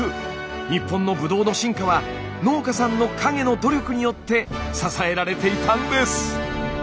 日本のブドウの進化は農家さんの陰の努力によって支えられていたんです。